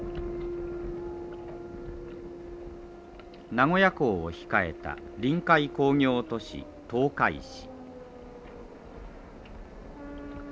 名古屋港を控えた臨海工業都市東海市。